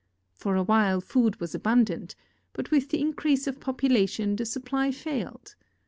For awhile food was abundant, but with the increase of popula tion the supply failed.